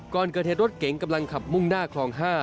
ก่อนเกิดเหตุรถเก๋งกำลังขับมุ่งหน้าคลอง๕